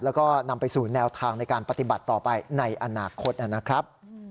แล้วก็นำไปสู่แนวทางในการปฏิบัติต่อไปในอนาคตนะครับ